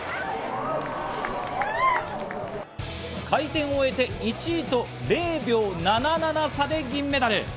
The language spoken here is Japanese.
回転を終えて１位と０秒７７差で銀メダル。